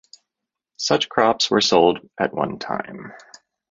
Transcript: Such crops were sold at one time.